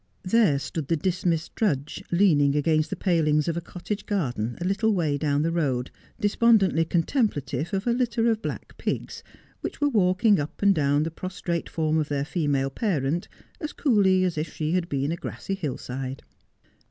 There stood the dismissed drudge, leaning against the palings of a cottage garden a little way down the road, despondently contemplative of a litter of black pigs which were walking up and down the prostrate form of their female parent as coolly as if she had been a grassy hill side.